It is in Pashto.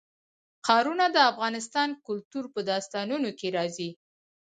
ښارونه د افغان کلتور په داستانونو کې راځي.